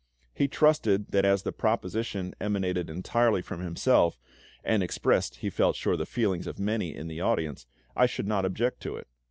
He trusted that as the proposition emanated entirely from himself, and expressed, he felt sure, the feelings of many in the audience, I should not object to it.